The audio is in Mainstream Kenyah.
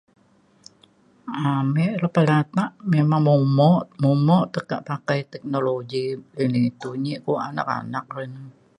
amik lepa latak memang momo momok tekak pakai teknologi ini tunyi kuak anak anak re ni